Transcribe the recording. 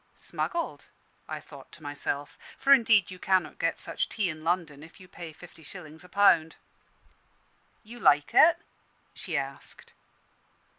"Smuggled," I thought to myself; for indeed you cannot get such tea in London if you pay fifty shillings a pound. "You like it?" she asked.